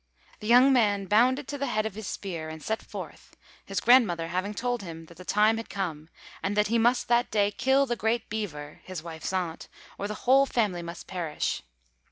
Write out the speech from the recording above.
The young man bound it to the head of his spear and set forth, his grandmother having told him that the time had come, and that he must that day kill the great Beaver (his wife's aunt), or the whole family must perish.